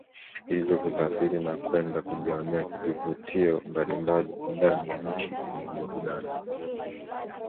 Hivyo kusafiri na kwenda kujionea vivutio mbalimbali ndani ya nchi ni burudani